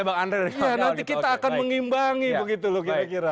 nanti kita akan mengimbangi begitu loh kira kira